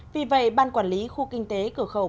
vì vậy ban quản lý khu kinh tế cửa khẩu